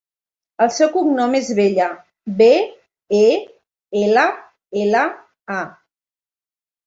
El seu cognom és Bella: be, e, ela, ela, a.